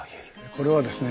これはですね